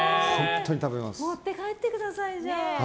持って帰ってください、じゃあ。